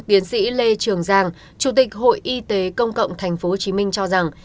tiến sĩ lê trường giang chủ tịch hội y tế công cộng tp hcm cho rằng